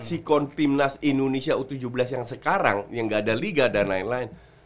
sikon timnas indonesia u tujuh belas yang sekarang yang gak ada liga dan lain lain